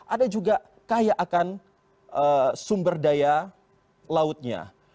ada juga kaya akan sumber daya lautnya